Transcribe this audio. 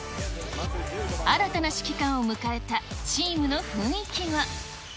新たな指揮官を迎えたチームの雰囲気は。